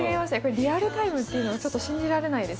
リアルタイムっていうのがちょっと信じられないですね。